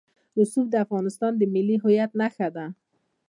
رسوب د افغانستان د ملي هویت نښه ده.